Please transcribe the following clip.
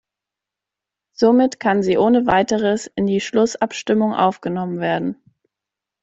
Somit kann sie ohne weiteres in die Schlussabstimmung aufgenommen werden.